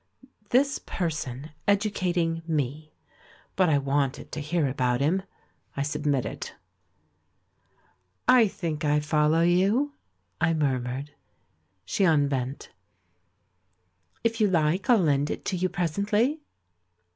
This person educating me! But I wanted to hear about him ; I submitted. "I think I follow you," I murmured. V She unbent. "If you like I'll lend it to you presently?"